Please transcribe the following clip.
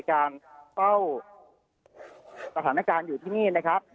การเฝ้าสถานการณ์อยู่ที่นี่นะครับ